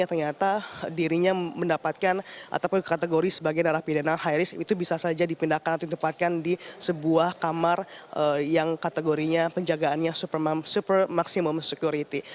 ternyata dirinya mendapatkan ataupun kategori sebagai narapidana high risk itu bisa saja dipindahkan atau ditempatkan di sebuah kamar yang kategorinya penjagaannya super maksimum security